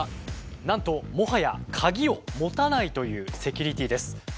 なんともはや鍵を持たないというセキュリティーです。